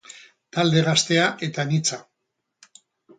Talde gaztea eta anitza.